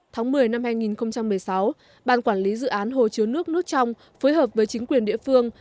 tháng một mươi năm hai nghìn một mươi sáu ban quản lý dự án hồ chứa nước nước trong phối hợp với chính quyền địa phương